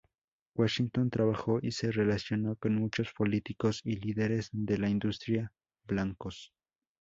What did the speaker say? Washington trabajó y se relacionó con muchos políticos y líderes de la industria blancos.